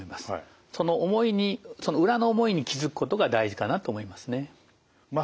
その思いにその裏の思いに気付くことが大事かなと思いますね。